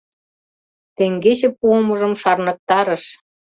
Теҥгече пуымыжым шарныктарыш.